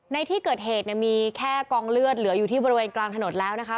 ในที่เกิดเหตุเนี่ยมีแค่กองเลือดเหลืออยู่ที่บริเวณกลางถนนแล้วนะคะ